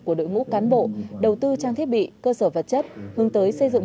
của đội ngũ cán bộ đầu tư trang thiết bị cơ sở vật chất hướng tới xây dựng